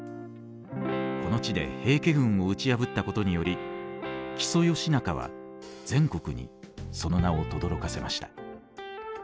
この地で平家軍を打ち破ったことにより木曽義仲は全国にその名を轟かせました。